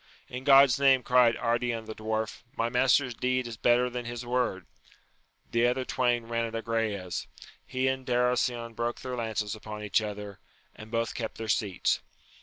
In God's name, cried Ardian the Dwarf, my master's deed is better than his word ! The other twain ran at Agrayes : he and Darasion broke their lances upon each other, and both kept their seats.